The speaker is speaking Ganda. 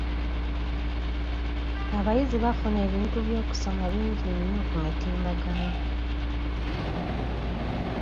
Abayizi bafuna ebintu by'okusoma bingi nnyo ku mutimbagano.